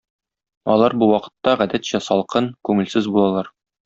Алар бу вакытта гадәтчә салкын, күңелсез булалар.